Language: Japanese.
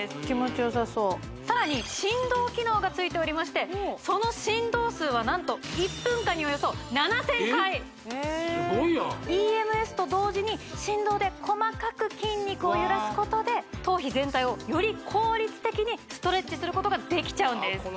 気持ちよさそうさらに振動機能がついておりましてその振動数は何と１分間におよそ７０００回えっすごいやんＥＭＳと同時に振動で細かく筋肉を揺らすことで頭皮全体をより効率的にストレッチすることができちゃうんです